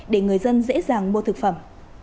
để người dân dễ dàng mua thực phẩm